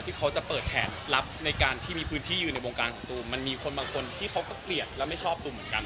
มีครับร้อยเปอร์เซ็นต์ครับ